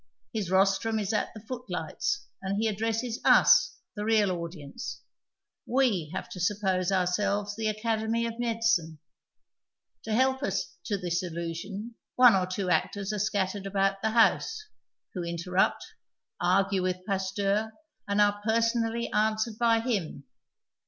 His rostrum is at the footlights, and he addresses us, the real audience. We haxc to suj)pose ourselves the Academy of Medicine, To helji us to this illusion one or two actors are scattered about the house, who interrupt, argiie with Pasteur, and arc personally answered by him.